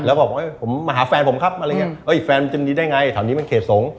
แล้วก็บอกมาหาแฟนผมครับอะไรอย่างนี้เฮ้ยแฟนมันจะมีได้ไงแถวนี้มันเคสง